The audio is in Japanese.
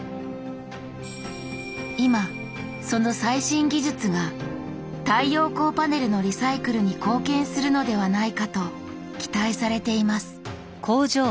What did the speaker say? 今その最新技術が太陽光パネルのリサイクルに貢献するのではないかと期待されています。